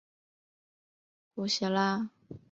古希腊雅典的悲剧诗人之一。